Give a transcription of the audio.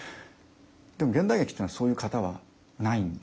でも現代劇というのはそういう型はないんで。